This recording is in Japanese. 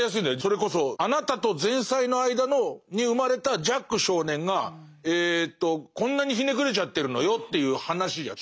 それこそあなたと前妻の間に生まれたジャック少年がこんなにひねくれちゃってるのよという話じゃん。